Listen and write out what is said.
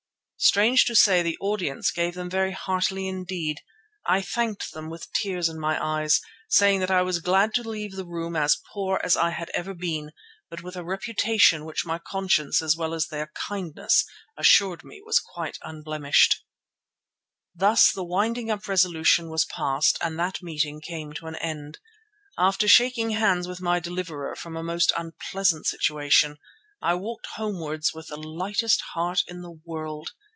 Strange to say the audience gave them very heartily indeed. I thanked them with tears in my eyes, saying that I was glad to leave the room as poor as I had ever been, but with a reputation which my conscience as well as their kindness assured me was quite unblemished. Thus the winding up resolution was passed and that meeting came to an end. After shaking hands with my deliverer from a most unpleasant situation, I walked homewards with the lightest heart in the world.